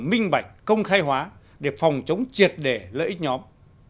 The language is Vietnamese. minh bạch công khai hóa để phòng chống triệt để lợi ích nhóm